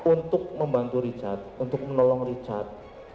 untuk membantu richard untuk menolong richard